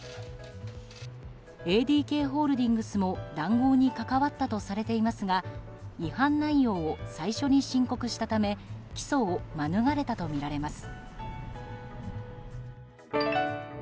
ＡＤＫホールディングスも談合に関わったとされていますが違反内容を最初に申告したため起訴を免れたとみられます。